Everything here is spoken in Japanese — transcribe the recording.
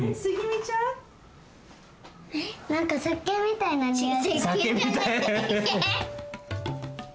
なんかせっけんみたいなにおいする。